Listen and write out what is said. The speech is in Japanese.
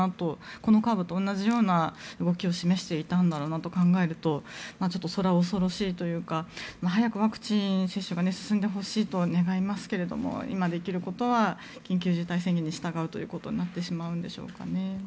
このカーブと同じようなことを示していたんだろうということを考えるとそれは恐ろしいというか早くワクチン接種が進んでほしいと願いますけれど今できることは緊急事態宣言に従うということになってしまうんでしょうかね。